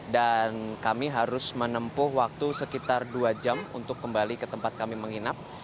dan kami harus menempuh waktu sekitar dua jam untuk kembali ke tempat kami menginap